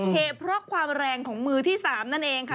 เหตุเพราะความแรงของมือที่๓นั่นเองค่ะ